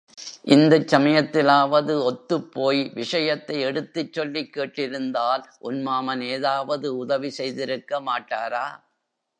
இந்தச் சமயத்திலாவது ஒத்துப்போய் விஷயத்தை எடுத்துச் சொல்லிக் கேட்டிருந்தால் உன் மாமன், ஏதாவது உதவி செய்திருக்க மாட்டாரா?